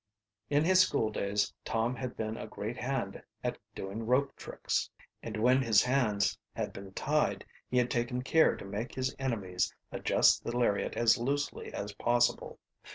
In his schooldays Tom had been a great hand at doing rope tricks, and when his hands had been tied he had taken care to make his enemies adjust the lariat as loosely as possible.